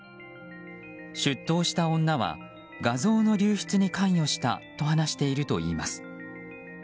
出頭した女は画像の流出に関与したと話しているといいます。